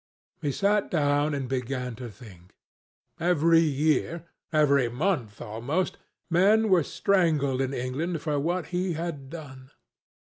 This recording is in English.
He sat down and began to think. Every year—every month, almost—men were strangled in England for what he had done.